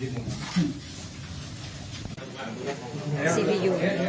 กล้องไม่ได้ครับ